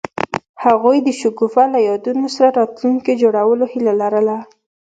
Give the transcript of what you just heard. هغوی د شګوفه له یادونو سره راتلونکی جوړولو هیله لرله.